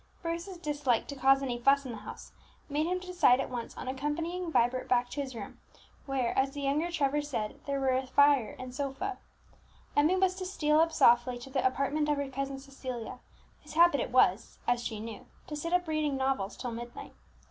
Bruce's dislike to "cause any fuss in the house" made him decide at once on accompanying Vibert back to his room, where, as the younger Trevor said, there were a sofa and a fire. Emmie was to steal up softly to the apartment of her cousin Cecilia, whose habit it was, as she knew, to sit up reading novels till midnight.